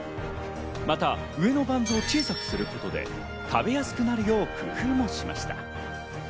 また上のバンズを小さくすることで食べやすくなるよう工夫しました。